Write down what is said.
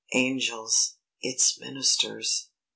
Angels, its ministers!